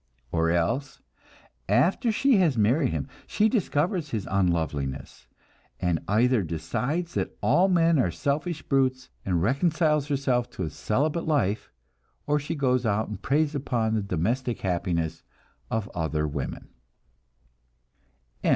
Or else, after she has married him she discovers his unloveliness, and either decides that all men are selfish brutes, and reconciles herself to a celibate life, or else she goes out and preys upon the domestic happiness of other women.